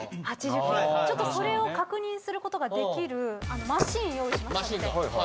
それを確認することができるマシン用意しましたので。